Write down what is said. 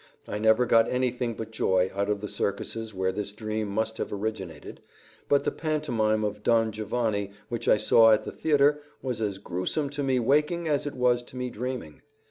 I never got anything but joy out of the circuses where this dream must have originated, but the pantomime of "Don Giovanni," which I saw at the theater, was as grewsome to me waking as it was to me dreaming.